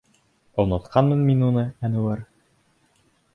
— Онотҡанмын мин уны, Әнүәр.